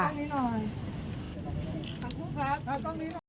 โปรดติดตามตอนต่อไป